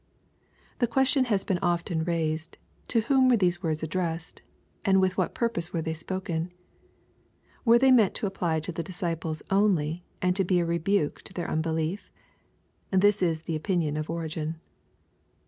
] The question has been often raised, " To whom were these words addressed ? and with what purpose were they spoken ?" Were they meant to apply to the disciples only, and to be a rebuke to their unbelief? This is the opinion of Origen.